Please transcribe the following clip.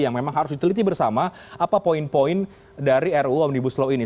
jadi kita harus teliti bersama apa poin poin dari ruu omnibus law ini